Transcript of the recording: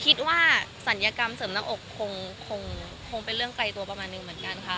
ศัลยกรรมเสริมหน้าอกคงเป็นเรื่องไกลตัวประมาณหนึ่งเหมือนกันค่ะ